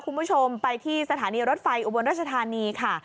คุณผู้ชมไปที่สถานีรถไฟอุบลรัชธานีค่ะ